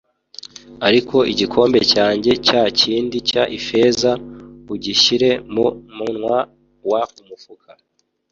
ariko igikombe cyanjye cya kindi cy ifeza ugishyire mu munwa w umufuka